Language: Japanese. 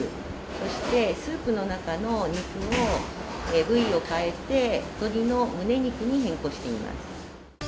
そして、スープの中の肉を、部位を変えて、鶏の胸肉に変更しています。